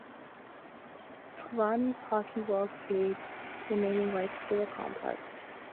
Perani's Hockey World paid for naming rights to the complex.